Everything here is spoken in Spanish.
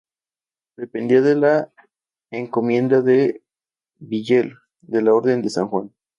Dependía de la encomienda de Villel de la orden de San Juan.